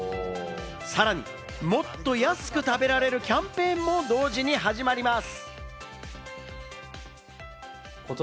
さらに、もっと安く食べられるキャンペーンも同時に始まります。